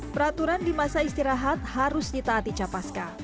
peraturan di masa istirahat harus ditaati capaska